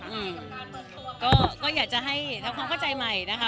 อืมก็ก็อยากจะให้ทำความเข้าใจใหม่นะคะ